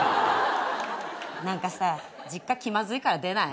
何か実家気まずいから出ない？